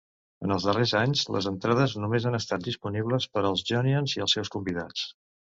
En els darrers anys, les entrades només han estat disponibles per als Johnians i els seus convidats.